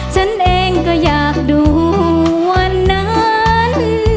ฉันเองก็อยากดูวันนั้น